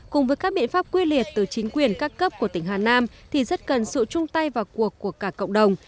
cùng với các biện pháp quy liệt từ chính quyền các cấp của tỉnh hà nam thì rất cần sự chung tay vào cuộc của cả cộng đồng